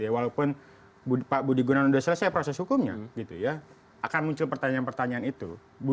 walaupun pak budi gunawan sudah selesai proses hukumnya akan muncul pertanyaan pertanyaan itu